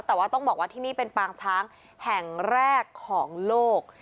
แต่ว่าต้องบอกว่าที่นี่เป็นปางช้างแห่งแรกของโลก